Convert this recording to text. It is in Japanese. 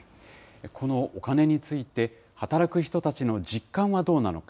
このお金について、働く人たちの実感はどうなのか。